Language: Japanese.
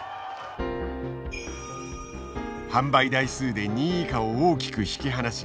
販売台数で２位以下を大きく引き離し